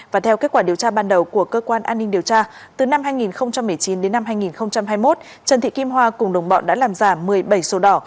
và theo kết quả điều tra ban đầu của cơ quan an ninh điều tra từ năm hai nghìn một mươi chín đến năm hai nghìn hai mươi một trần thị kim hoa cùng đồng bọn đã làm giả một mươi bảy sổ đỏ